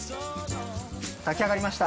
炊き上がりました。